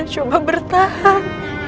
gue udah coba bertahan